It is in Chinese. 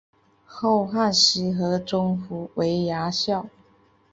后汉时河中府为牙校。